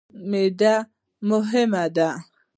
معده مهمه ده.